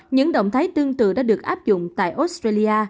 những động thái tương tự đã được áp dụng tại australia